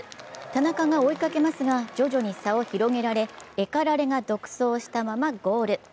田中が追いかけますが、徐々に差を広げられ、エカラレが独走したままゴール。